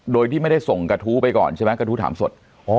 โดยที่ไม่ได้ส่งกระทู้ไปก่อนใช่ไหมกระทู้ถามสด